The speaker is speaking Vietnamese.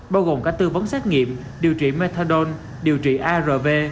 bao gồm cả tư vấn xét nghiệm điều trị methadone điều trị arv